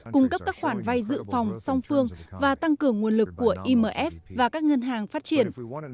cung cấp các khoản vay dự phòng song phương và tăng cường nguồn lực của imf và các ngân hàng phát triển